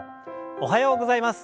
おはようございます。